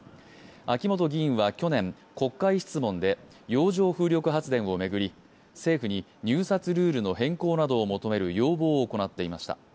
秋本議員は去年、国会質問で洋上風力発電を巡り政府に入札ルールの変更などを求める要望を行っていました。